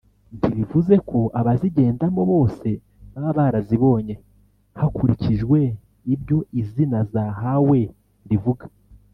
ntibivuze ko abazigendamo bose baba barazibonye hakurikjwe ibyo izina zahawe rivuga